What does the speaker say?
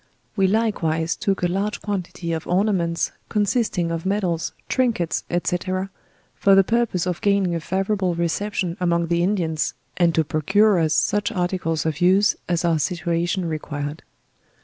We likewise took a large quantity of ornaments, consisting of medals, trinkets, &c. for the purpose of gaining a favora ble reception among the Indians, and : .o procure us such ar ticles of use as oursitaation required.